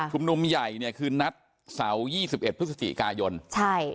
กลุ่มนมใหญ่เนี่ยคือนัดเสาร์๒๑พฤศจิกายนใช่